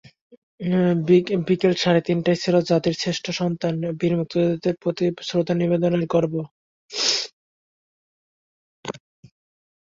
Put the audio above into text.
বিকেল সাড়ে তিনটায় ছিল জাতির শ্রেষ্ঠ সন্তান বীর মুক্তিযোদ্ধাদের প্রতি শ্রদ্ধা নিবেদন পর্ব।